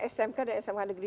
smk dan smk negeri